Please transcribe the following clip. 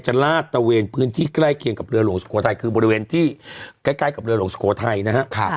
ลาดตะเวนพื้นที่ใกล้เคียงกับเรือหลวงสุโขทัยคือบริเวณที่ใกล้กับเรือหลวงสุโขทัยนะครับ